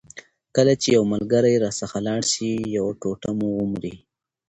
کله چي یو ملګری راڅخه لاړ سي یو ټوټه مو ومري.